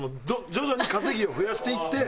徐々に稼ぎを増やしていって。